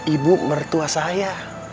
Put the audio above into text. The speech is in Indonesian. ibu mertua saya